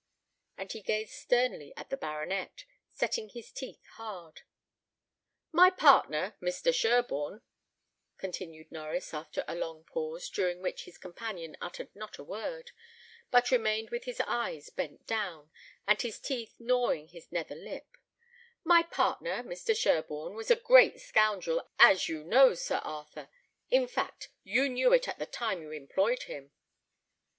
And he gazed sternly at the baronet, setting his teeth hard. "My partner, Mr. Sherborne," continued Norries, after a pause, during which his companion uttered not a word, but remained with his eyes bent down, and his teeth gnawing his nether lip; "my partner, Mr. Sherborne, was a great scoundrel, as you know, Sir Arthur. In fact, you knew it at the time you employed him."